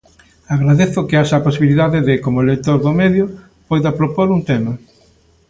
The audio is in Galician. Agradezo que haxa a posibilidade de, como lector do medio, poida propor un tema.